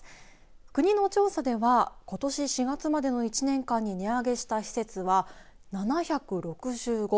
国の調査ではことし４月までの１年間に値上げした施設は７６５。